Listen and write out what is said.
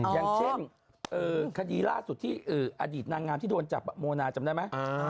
อย่างเช่นคดีล่าสุดที่อดีตนางงามที่โดนจับโมนาจำได้ไหม